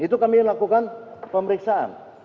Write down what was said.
itu kami lakukan pemeriksaan